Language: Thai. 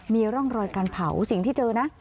มีร่องรอยการเผาสิ่งที่เจอนะ